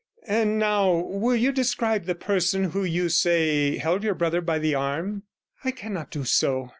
And now will you describe the person who, you say, held your brother by the arm?' 'I cannot do so.